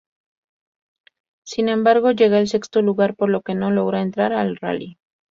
Sin embargo, llega al sexto lugar, por lo que no logra entrar al rally.